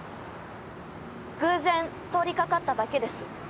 偶然通り掛かっただけです。